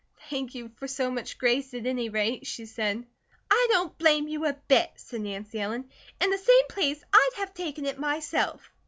"Thank you for so much grace, at any rate," she said. "I don't blame you a bit," said Nancy Ellen. "In the same place I'd have taken it myself."